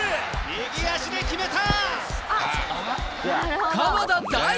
右足で決めた！